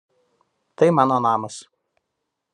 Tai mano namas.